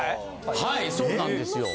はいそうなんですよ。